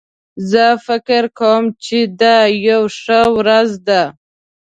زه فکر کوم چې دا یو ښه ورځ ده